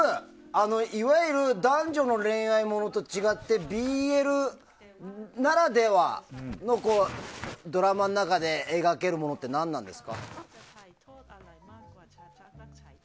いわゆる男女の恋愛ものと違ってＢＬならではのドラマの中で描けるものって何なんですか？